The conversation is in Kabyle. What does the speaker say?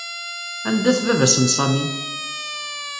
Anda-t baba-s n Sami?